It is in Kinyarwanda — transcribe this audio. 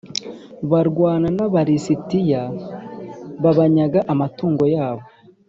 Barwana n aba lisitiya babanyaga amatungo yabo